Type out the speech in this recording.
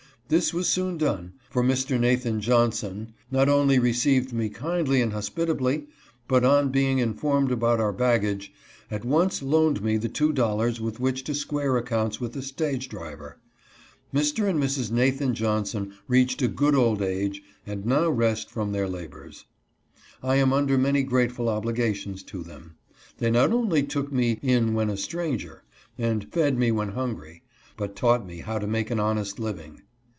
This was soon done, for Mr. Nathan Johnson not AT the Wharf in Newport. GETS A NEW NAME. 255 only received me kindly and hospitably, but, on being informed about our baggage, at once loaned me the two dollars with which to square accounts with the stage driver. Mr. and Mrs. Nathan Johnson reached a good old age and now rest from their labors. I am under many grateful obligations to them. They not only " took me in when a stranger," and "fed me when hungry," but taught me how to make an honest living.